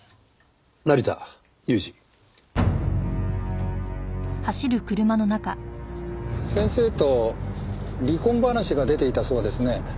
「成田裕二」先生と離婚話が出ていたそうですね。